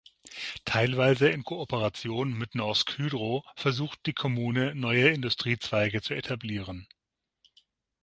Teilweise in Kooperation mit Norsk Hydro versucht die Kommune, neue Industriezweige zu etablieren.